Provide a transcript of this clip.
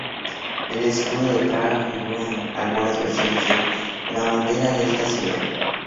El escudo de Praga figura en algunas versiones de la bandera de esta ciudad.